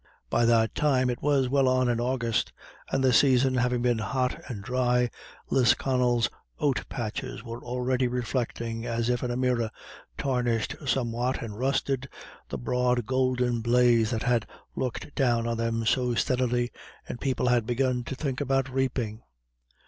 By that time it was well on in August, and the season having been hot and dry, Lisconnel's oat patches were already reflecting as if in a mirror, tarnished somewhat and rusted, the broad golden blaze that had looked down on them so steadily, and people had begun to think about reaping.